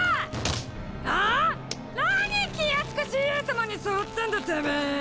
ああっ⁉何気安くＣＡ様に触ってんだてめぇ。